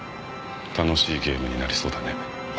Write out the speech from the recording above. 楽しいゲームになりそうだね。